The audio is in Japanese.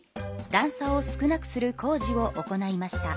だん差を少なくする工事を行いました。